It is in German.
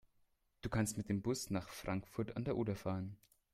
Du kannst mit dem Bus nach Frankfurt (Oder) fahren